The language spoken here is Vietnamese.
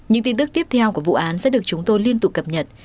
những tin tức tiếp theo của vụ án sẽ được chúng tôi liên tục cập nhật